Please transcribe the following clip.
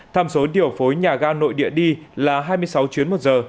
tham số điều phối nhà ga nội địa đi là hai mươi sáu chuyến một giờ